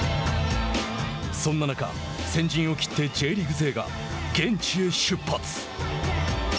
そんな中、先陣を切ってＪリーグ勢が現地へ出発。